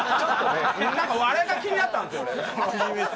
あれが気になったんですよね